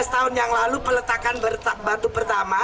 lima belas tahun yang lalu peletakan batu pertama